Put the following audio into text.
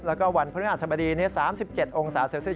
แล้วก็วันพฤหัสบดี๓๗องศาเซลเซียส